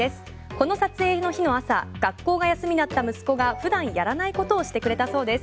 この撮影の日の朝学校が休みだった息子が普段やらないことをしてくれたそうです。